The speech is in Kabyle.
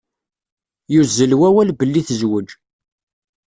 Yuzzel wawal belli tezweǧ.